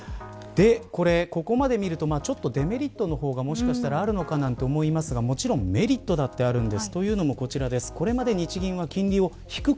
ここまで見るとデメリットの方が、もしかしたらあるのかな、なんて思いますがもちろんメリットだってあるんです。